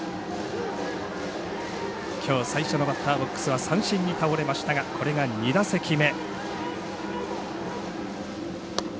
きょう最初のバッターボックスは三振に倒れましたがこれが２打席目。